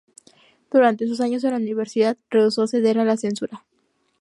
Durante sus años en la universidad, rehusó ceder a la censura.